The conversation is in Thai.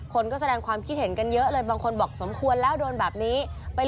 คนก็แสดงความคิดเห็นกันเยอะเลยบางคนบอกสมควรแล้วโดนแบบนี้